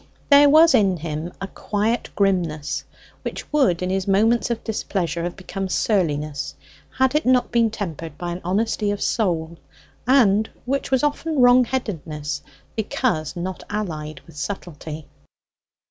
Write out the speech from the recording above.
There was in him a quiet grimness, which would in his moments of displeasure have become surliness, had it not been tempered by honesty of soul, and which was often wrongheadedness because not allied with subtlety.